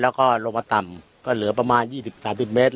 แล้วก็ลงมาต่ำก็เหลือประมาณ๒๐๓๐เมตร